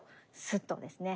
スッとですね